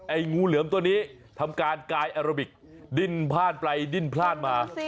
ไอ้งูเหลือมตัวนี้ทำการกายอาราบิคดิ่นพลานไปดิ่นพลานมา